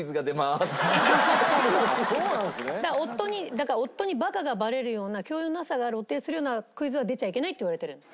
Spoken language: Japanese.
だから夫にバカがバレるような教養のなさが露呈するようなクイズは出ちゃいけないって言われてるんです。